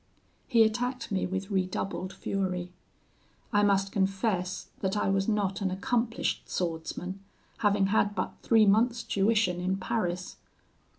He attacked me with redoubled fury. I must confess that I was not an accomplished swordsman, having had but three months' tuition in Paris.